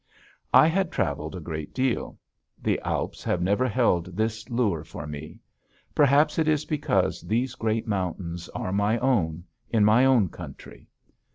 I have traveled a great deal. The Alps have never held this lure for me. Perhaps it is because these great mountains are my own, in my own country.